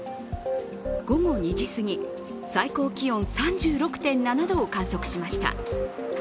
午後２時すぎ、最高気温３６．７度を観測しました。